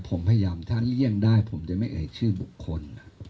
ผมพยายามถ้าเลี่ยงได้ผมจะไม่เอ่ยชื่อบุคคล